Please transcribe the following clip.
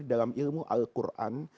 dalam ilmu al quran